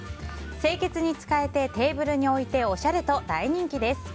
清潔に使えてテーブルに置いておしゃれと大人気です。